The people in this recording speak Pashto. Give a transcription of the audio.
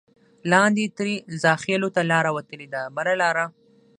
لاندې ترې زاخېلو ته لاره وتې ده بله لاره.